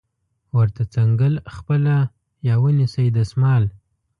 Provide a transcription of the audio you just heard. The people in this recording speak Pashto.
ورته څنګل خپله یا ونیسئ دستمال